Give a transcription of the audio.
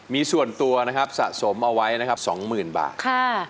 มีส่วนตัวนะครับสะสมเอาไว้นะครับ๒๐๐๐บาท